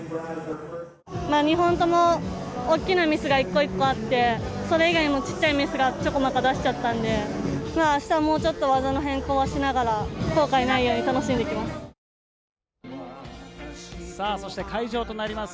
２本とも大きなミスが１個１個あって、それ以外もちっちゃいミスがちょこまか出しちゃったんで、明日もうちょっと技の変更をしながら後悔ないように楽しんできます。